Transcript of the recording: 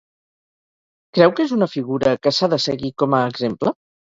Creu que és una figura que s'ha de seguir com a exemple?